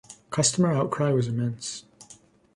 Customer outcry was immense.